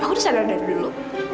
aku harus sadar dari dulu